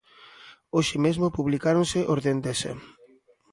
Hoxe mesmo publicáronse os de Endesa.